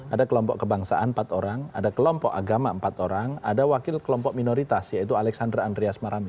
ada kelompok kebangsaan empat orang ada kelompok agama empat orang ada wakil kelompok minoritas yaitu alexander andreas maramis